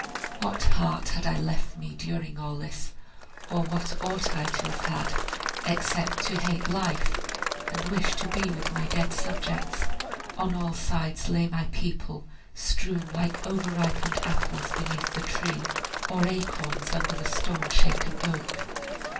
"What heart had I left me, during all this, or what ought I to have had, except to hate life and wish to be with my dead subjects? On all sides lay my people strewn like over ripened apples beneath the tree, or acorns under the storm shaken oak.